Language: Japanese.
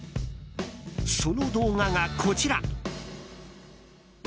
その動画が、こちら。